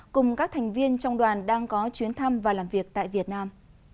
cùng các thành viên trong đoàn đang có chuyến thăm và làm việc tại việt nam